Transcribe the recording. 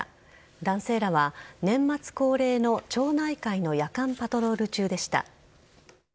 男性らは年末恒例の町内会の夜間パトロール中でした。